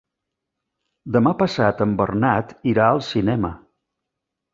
Demà passat en Bernat irà al cinema.